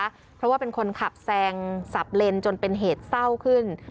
เพราะว่าเป็นคนขับแซงสับเลนจนเป็นเหตุเศร้าขึ้น